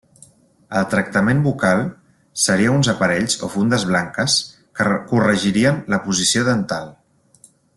El tractament bucal seria uns aparells o fundes blanques que corregirien la posició dental.